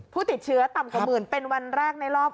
ผู้ติดเชื้อต่ำกว่าหมื่นเป็นวันแรกในรอบ